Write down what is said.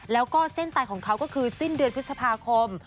แล้วก็เส้นตายของเขาก็คือสิ้นเดือนพฤษภาคม